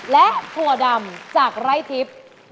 และถั่วดำจากไรซิป